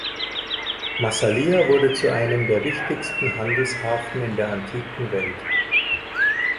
Massalia wurde zu einem der wichtigsten Handelshafen in der antiken Welt.